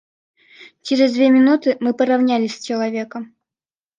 Через две минуты мы поровнялись с человеком.